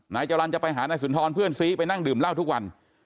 นายจรรย์จะไปหานายสุนทรเพื่อนซีไปนั่งดื่มเหล้าทุกวัน